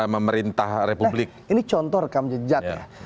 pemerintah republik ini contoh rekam jejak ya